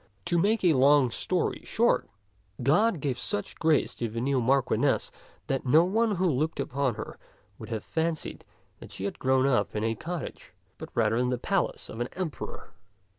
To make a long story short, God gave such grace to the new Marchioness that no one who looked upon her would have fancied that she had grown up in a cottage, but rather in the palace of an emperor.